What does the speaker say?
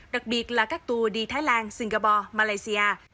đặc biệt là các tour đi thái lan singapore malaysia